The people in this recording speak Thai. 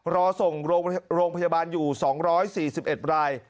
รอส่งโรงพยาบาลอยู่๒๔๑ราย